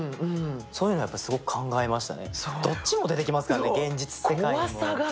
そういうのやっぱりすごく考えましたね、どっちも出てきますから、現実世界も。